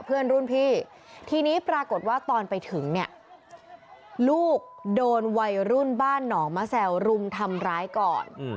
เพื่อนรุ่นพี่ทีนี้ปรากฏว่าตอนไปถึงเนี่ยลูกโดนวัยรุ่นบ้านหนองมะแซวรุมทำร้ายก่อน